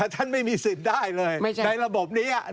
ท่านไม่มีสิทธิ์ได้เลยในระบบนี้